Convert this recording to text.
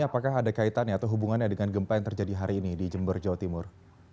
apakah ada kaitannya atau hubungannya dengan gempa yang terjadi hari ini di jember jawa timur